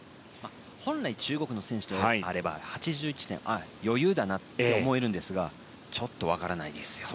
本来、中国の選手であれば８１点は余裕だなと思うんですがちょっと分からないです。